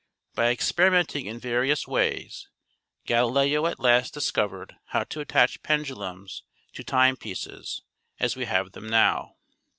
By experimenting in various ways Galileo at last discovered how to attach pen dulums to timepieces as we have them now.